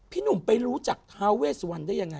หนุ่มไปรู้จักท้าเวสวันได้ยังไง